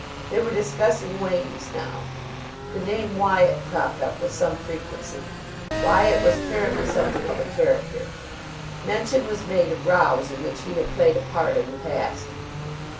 They were discussing Wain's now. The name Wyatt cropped up with some frequency. Wyatt was apparently something of a character. Mention was made of rows in which he had played a part in the past.